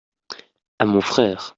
à mon frère.